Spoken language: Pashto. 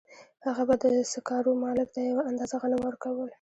هغه به د سکارو مالک ته یوه اندازه غنم ورکول